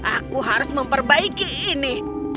aku harus memperbaiki ini